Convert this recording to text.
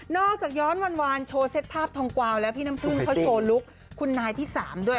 อกจากย้อนวานโชว์เซตภาพทองกวาวแล้วพี่น้ำพึ่งเขาโชว์ลุคคุณนายที่๓ด้วย